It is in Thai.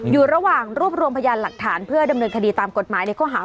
อยู่ระหว่างรวบรวมพยานหลักฐานเพื่อดำเนินคดีตามกฎหมายในข้อหา